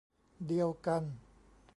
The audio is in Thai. เดียวกัน